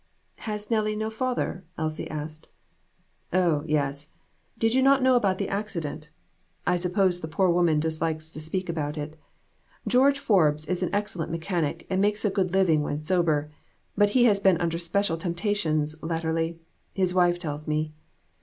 "Has Nellie no father?" Elsie asked. "Oh, yes. Did you not know about the acci 3O4 AN EVENTFUL AFTERNOON. dent ? I suppose the poor woman dislikes to speak of it. George Forbes is an excellent mechanic, and makes a good living when sober, but he has been under special temptations latterly, his wife tells me.